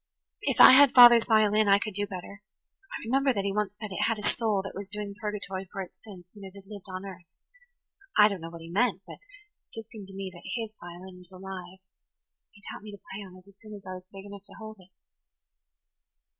If I had father's violin I could do better. I remember that he once said it had a soul that was doing purgatory for its sins when it had lived on earth. I don't know what he meant, but it did seem to me that his violin was alive. He taught me to play on it as soon as I was big enough to hold it."